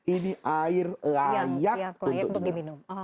ini air layak untuk diminum